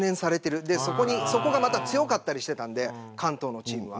またそこが強かったりしたんで関東のチームは。